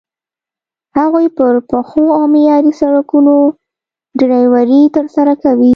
هغوی پر پخو او معیاري سړکونو ډریوري ترسره کوي.